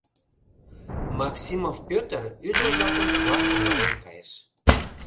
Максимов Петр ӱдыр-влакым тугак оҥарен кайыш.